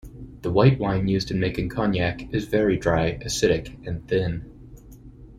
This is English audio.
The white wine used in making cognac is very dry, acidic and thin.